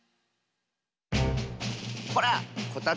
ほらこたつだ！